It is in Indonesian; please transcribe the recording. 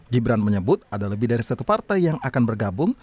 gibran menyebut ada lebih dari satu partai yang akan bergabung